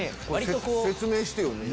説明してよ。